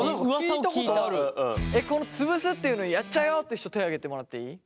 この潰すっていうのをやっちゃうよって人手挙げてもらっていい？